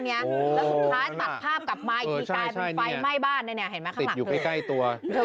แล้วสุดท้ายตัดภาพกลับมาอีกลายเป็นไฟไหม้บ้าน